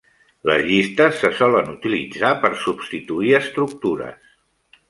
Les llistes se solen utilitzar per substituir estructures.